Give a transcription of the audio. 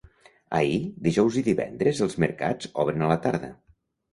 Ahir, dijous i divendres els mercats obren a la tarda.